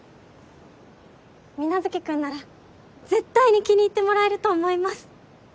皆月君なら絶対に気に入ってもらえると思います！